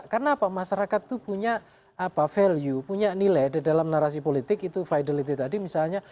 karena apa masyarakat itu punya value punya nilai di dalam narasi politik itu vitality tadi misalnya